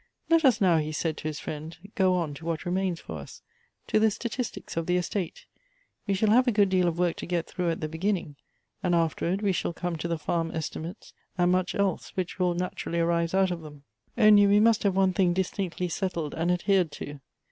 "Let us now," he said to his friend, "go on to what remains for us, to the statistics of the estates. We shall have a good deal of work to get through at the beginning, and afterwards we shall come to the farm estimates, and much else which will naturally arise out of them. Only 32 Goethe's we must have one thing distinctly settled and adhered to.